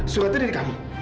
suratnya ada di kamu